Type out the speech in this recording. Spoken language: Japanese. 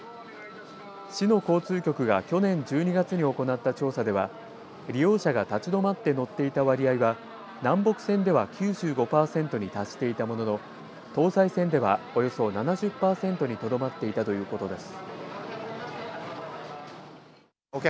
市の交通局が去年１２月に行った調査では利用者が立ちどまって乗っていた割合は南北線では９５パーセントに達していたものの東西線ではおよそ７０パーセントにとどまっていたということです。